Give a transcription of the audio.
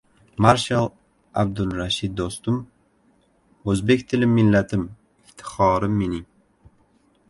Marshal Abdul Rashid Do‘stum: "O‘zbek tilim, millatim, iftixorim mening!"